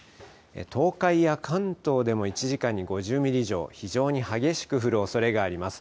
東海や関東でも１時間に５０ミリ以上、非常に激しく降るおそれがあります。